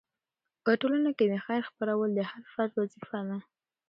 په ټولنه کې د خیر خپرول د هر فرد وظیفه ده.